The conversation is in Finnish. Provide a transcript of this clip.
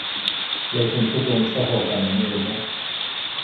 Löysin tutun sohokanin myyjän.